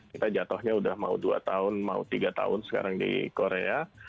kita jatuhnya udah mau dua tahun mau tiga tahun sekarang di korea